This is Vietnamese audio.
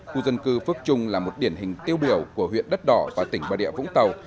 khu dân cư phước trung là một điển hình tiêu biểu của huyện đất đỏ và tỉnh bà địa vũng tàu